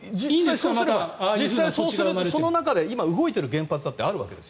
実際、その中で今、動いている原発だってあるんです。